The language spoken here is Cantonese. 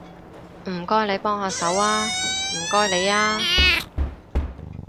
唔該你幫下手吖，唔該你吖